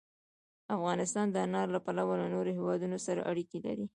افغانستان د انار له پلوه له نورو هېوادونو سره اړیکې لري.